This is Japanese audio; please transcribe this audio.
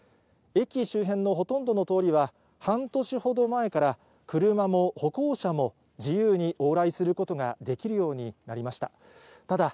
駅周辺のほとんどの通りは、半年ほど前から車も歩行者も自由に往来することができるようになりました。